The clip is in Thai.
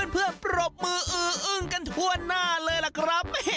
ปรบมืออืออึ้งกันทั่วหน้าเลยล่ะครับ